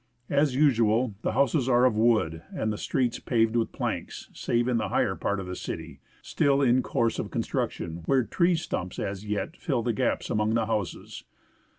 As usual, the houses are of wood and the streets paved with planks, 26 FROM SEATTLE TO JUNEAU save in the higher part of the city, still in course of construction, where tree stumps as yet fill the gaps among the houses.